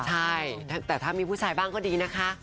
ใช่แต่ถ้ามีผู้ชายบ้างก็ดีนะคะ